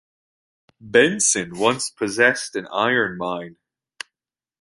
Benson once possessed an iron mine.